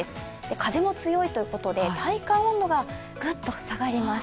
風も強いということで、体感温度がグッと下がります。